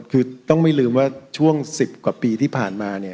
คือต้องไม่ลืมว่าช่วง๑๐กว่าปีที่ผ่านมาเนี่ย